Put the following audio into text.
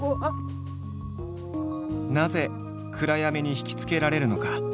なぜ暗闇に惹きつけられるのか。